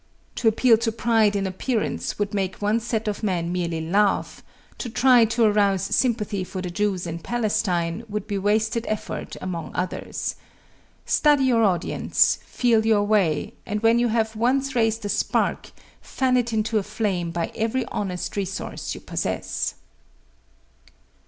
To appeal to pride in appearance would make one set of men merely laugh to try to arouse sympathy for the Jews in Palestine would be wasted effort among others. Study your audience, feel your way, and when you have once raised a spark, fan it into a flame by every honest resource you possess.